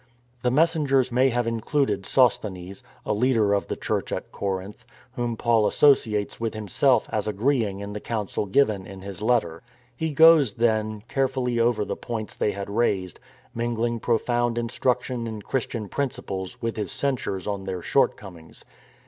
The messengers may have included Sosthenes, a leader of the church at Corinth, whom Paul asso ciates with himself as agreeing in the counsel given in his letter. He goes, then, carefully over the points they had raised, mingling profound instruction in Christian principles with his censures on their short comings.